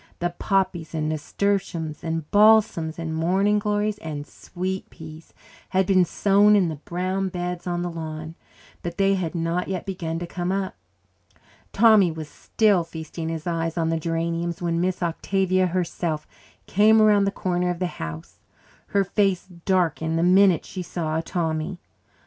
The poppies and nasturtiums and balsams and morning glories and sweet peas had been sown in the brown beds on the lawn, but they had not yet begun to come up. Tommy was still feasting his eyes on the geraniums when Miss Octavia herself came around the corner of the house. Her face darkened the minute she saw Tommy.